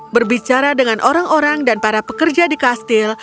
berbicara dengan orang orang dan para pekerja di kastil